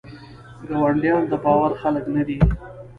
ګاونډیان دباور خلګ نه دي.